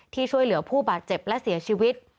ช่วยเหลือผู้บาดเจ็บและเสียชีวิต